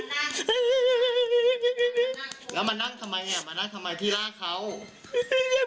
ผมคุยอยู่กับใครครับ